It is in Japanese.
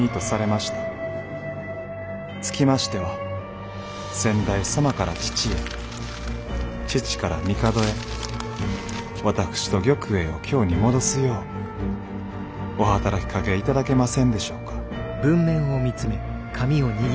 つきましては先代様から父へ父から帝へ私と玉栄を京に戻すようお働きかけ頂けませんでしょうか」。